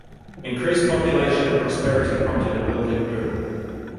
Increased population and prosperity prompted a building boom.